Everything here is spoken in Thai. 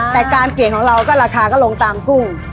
แต่การเปลี่ยนของเราก็ราคาก็ลงตามกุ้ง